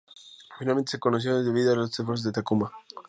Finalmente se reconcilian debido a los esfuerzos de Takuma.